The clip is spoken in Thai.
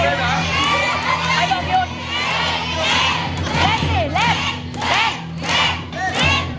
หาหยุดเลยเหรอ